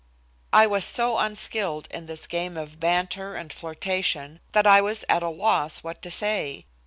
I was so unskilled in this game of banter and flirtation that I was at a loss what to say.